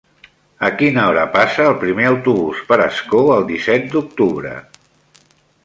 A quina hora passa el primer autobús per Ascó el disset d'octubre?